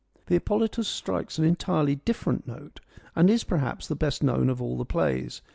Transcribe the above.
The Hippolytus strikes an entirely different note, and is, perhaps, the best known of all the plays.